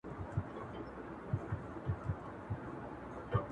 سپینه بیړۍ د روسې